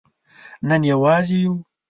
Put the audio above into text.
نن یوازې یو